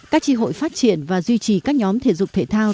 các tri hội phát triển và duy trì các nhóm thể dục thể thao